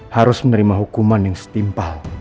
harus menerima hukuman yang setimpal